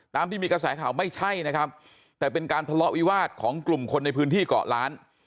ตามที่มีกระแสข่าวไม่ใช่นะครับแต่เป็นการทะเลาะวิวาสของกลุ่มคนในพื้นที่เกาะล้าน